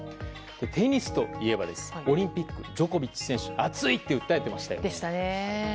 テニスといえばオリンピックジョコビッチ選手暑いと訴えていましたよね。